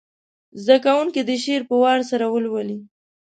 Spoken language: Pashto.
زده کوونکي دې شعر په وار سره ولولي.